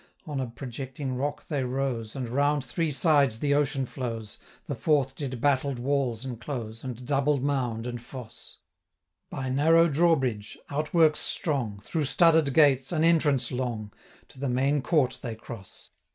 On a projecting rock they rose, And round three sides the ocean flows, The fourth did battled walls enclose, And double mound and fosse. 980 By narrow drawbridge, outworks strong, Through studded gates, an entrance long, To the main court they cross.